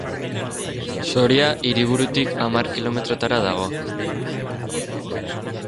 Soria hiriburutik hamar kilometrotara dago.